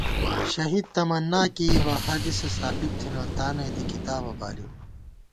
شہید تمنّا کېئیبہ حدیثہ ثابت تھنہ تانَئی دی کِتابہ بالِؤ